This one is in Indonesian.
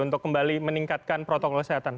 untuk kembali meningkatkan protokol kesehatan